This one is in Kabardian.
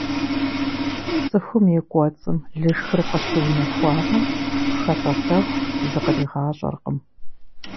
ЦӀыхум и кӀуэцӀым лышхыр къыщыунэхуамэ, хэтӀэсэху зыкъригъащӀэркъым.